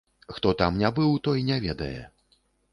Хто там не быў, той не ведае.